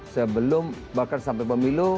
sebelum bakar sampai pemilu